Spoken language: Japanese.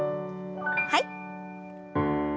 はい。